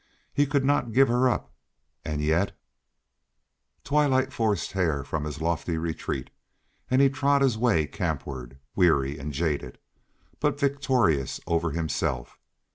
He could not give her up and yet Twilight forced Hare from his lofty retreat, and he trod his way campward, weary and jaded, but victorious over himself.